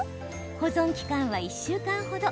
保存期間は１週間ほど。